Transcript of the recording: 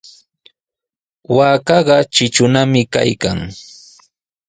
Waakaqa tritrunami kaykan.